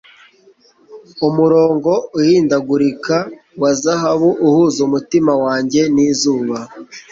Umurongo uhindagurika wa zahabu uhuza umutima wanjye nizuba